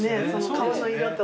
革の色と。